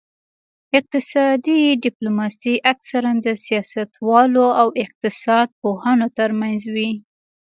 اقتصادي ډیپلوماسي اکثراً د سیاستوالو او اقتصاد پوهانو ترمنځ وي